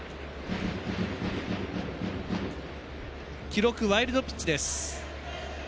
記録、ワイルドピッチです。